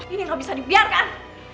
ini gak bisa dibiarkan